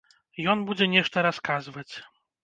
Ён будзе нешта расказваць.